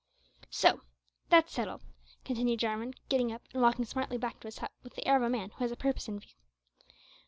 "So that's settled," continued Jarwin, getting up and walking smartly back to his hut with the air of a man who has a purpose in view.